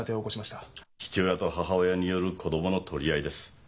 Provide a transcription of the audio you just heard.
父親と母親による子供の取り合いです。